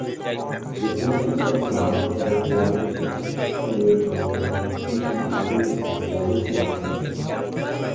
বিভ্রান্তিকর ফ্লাইট এবং বলের উপর চমৎকার নিয়ন্ত্রণ ও সঠিক নিশানা বজায় রেখে বোলিং করতেন।